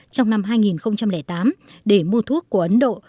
trong năm hai nghìn tám để mua thuốc của ấn độ